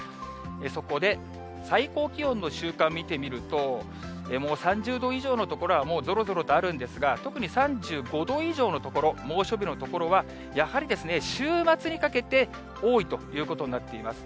そこで最高気温の週間見てみると、３０度以上の所はもうぞろぞろとあるんですが、特に３５度以上の所、猛暑日の所はやはりですね、週末にかけて多いということになっています。